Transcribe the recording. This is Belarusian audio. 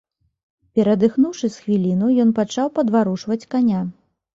Перадыхнуўшы з хвіліну, ён пачаў падварушваць каня.